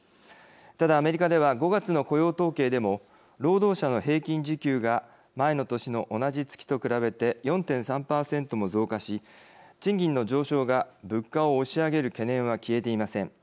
ただアメリカでは５月の雇用統計でも労働者の平均時給が前の年の同じ月と比べて４．３％も増加し賃金の上昇が物価を押し上げる懸念は消えていません。